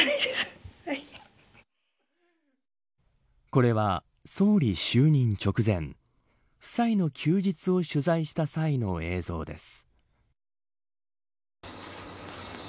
これは総理就任直前夫妻の休日を取材した際の映像です。